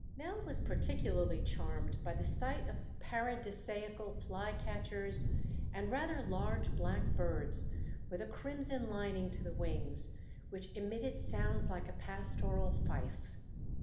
Nell was particularly charmed by the sight of paradisaical fly catchers and rather large, black birds, with a crimson lining to the wings, which emitted sounds like a pastoral fife.